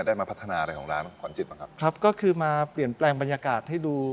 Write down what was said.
ได้มาพัฒนาอะไรของร้านพรจิตบ้างครับครับก็คือมาเปลี่ยนแปลงบรรยากาศให้ดู